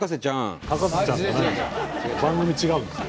番組違うんですよ。